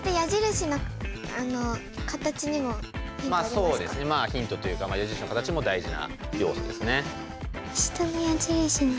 そうですねヒントというか矢印の形も大事な要素ですね。